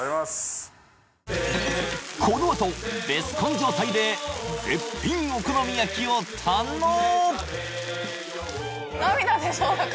このあとベスコン状態で絶品お好み焼きを堪能！